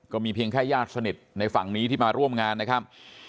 เพียงแค่ญาติสนิทในฝั่งนี้ที่มาร่วมงานนะครับ